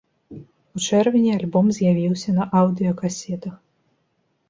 У чэрвені альбом з'явіўся на аўдыёкасетах.